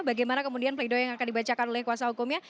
bagaimana kemudian pleido yang akan dibacakan oleh kuasa hukumnya